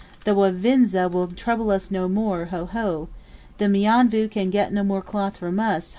The Wavinza will trouble us no more! ho! ho! Mionvu can get no more cloth from us!